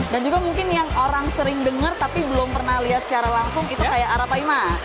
dan juga mungkin yang orang sering dengar tapi belum pernah lihat secara langsung itu kayak arapaima